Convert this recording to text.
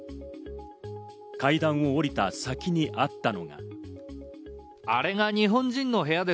階段を降りた先にあったのが。